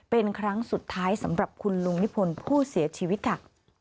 เป็นครั้งสุดท้ายสำหรับคุณลุงนิพนธ์ผู้เสียชีวิตค่ะ